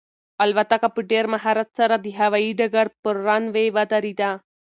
الوتکه په ډېر مهارت سره د هوایي ډګر پر رن وې ودرېده.